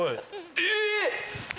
えっ！